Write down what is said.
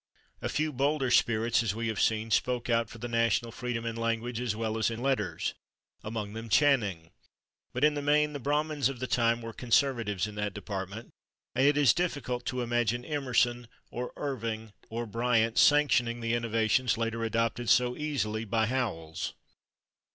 A few bolder spirits, as we have seen, spoke out for national freedom in language as well as in letters among them, Channing but in the main the Brahmins of the time were conservatives in [Pg073] that department, and it is difficult to imagine Emerson or Irving or Bryant sanctioning the innovations later adopted so easily by Howells.